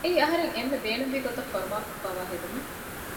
އެއީ އަހަރަން އެންމެ ބޭނުންވި ގޮތަށް ފަރުމާ ކޮށްފައިވާ ހެދުމެއް